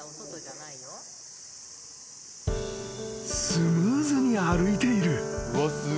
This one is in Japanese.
［スムーズに歩いている］